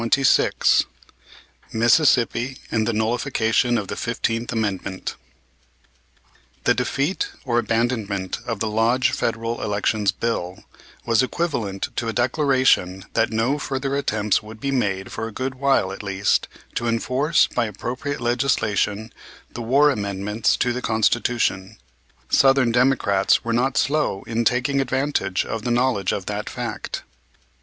CHAPTER XXVI MISSISSIPPI AND THE NULLIFICATION OF THE FIFTEENTH AMENDMENT The defeat or abandonment of the Lodge Federal Elections Bill was equivalent to a declaration that no further attempts would be made for a good while, at least, to enforce by appropriate legislation the war amendments to the Constitution. Southern Democrats were not slow in taking advantage of the knowledge of that fact.